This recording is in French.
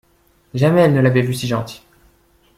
Jamais elle ne l’avait vu si gentil.